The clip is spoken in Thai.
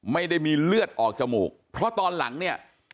ไม่ได้มีเลือดออกจมูกเพราะตอนหลังเนี่ย